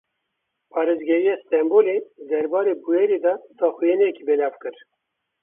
Parêzgariya Stenbolê derbarê bûyerê de daxuyaniyek belav kir.